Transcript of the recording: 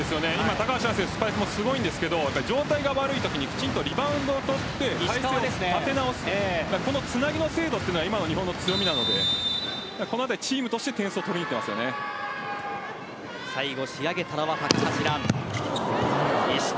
高橋選手のスパイクも強いんですけど状態が悪いときにリバウンドで立て直してこのつなぎの精度が今の日本の強みなのでこのあたりチームとして点数を最後、仕上げたのは高橋藍。